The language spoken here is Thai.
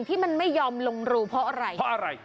ที่มันไม่ยอมลงรูเพราะอะไร